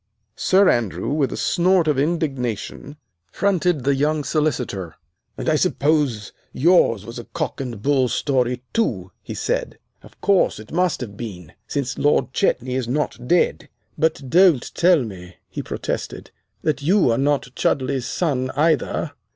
Sir Andrew, with a snort of indignation, fronted the young Solicitor. "And I suppose yours was a cock and bull story, too," he said. "Of course, it must have been, since Lord Chetney is not dead. But don't tell me," he protested, "that you are not Chudleigh's son either."